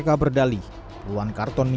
karena kan dibatesin